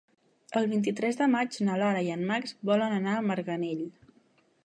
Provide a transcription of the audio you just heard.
El vint-i-tres de maig na Lara i en Max volen anar a Marganell.